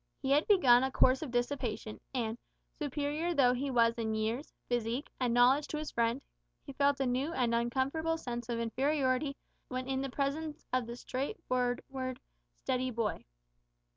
He had begun a course of dissipation, and, superior though he was in years, physique, and knowledge to his friend, he felt a new and uncomfortable sense of inferiority when in the presence of the straightforward, steady boy.